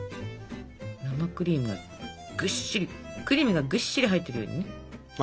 生クリームがぐっしりクリームがぐっしり入ってるようにね。